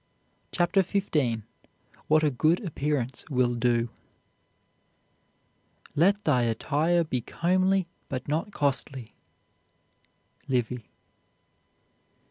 CHAPTER XV WHAT A GOOD APPEARANCE WILL DO Let thy attire be comely but not costly. LIVY.